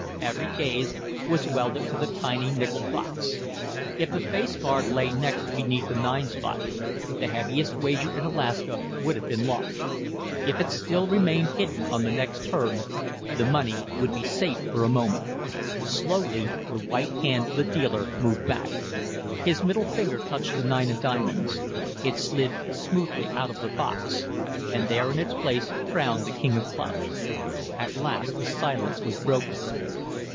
Every gaze was welded to the tiny nickelled box. If the face card lay next beneath the nine spot, the heaviest wager in Alaska would have been lost; if it still remained hidden on the next turn, the money would be safe for a moment. Slowly the white hand of the dealer moved back; his middle finger touched the nine of diamonds; it slid smoothly out of the box, and there in its place frowned the king of clubs. At last the silence was broken.